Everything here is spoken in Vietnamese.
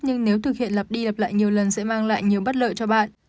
nhưng nếu thực hiện lập đi lập lại nhiều lần sẽ mang lại nhiều bất lợi cho bạn